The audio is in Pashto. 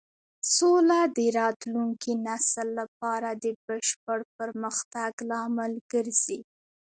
سوله د راتلونکي نسل لپاره د بشپړ پرمختګ لامل ګرځي.